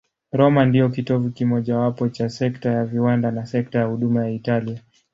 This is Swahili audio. Roma ndiyo kitovu kimojawapo cha sekta ya viwanda na sekta ya huduma ya Italia.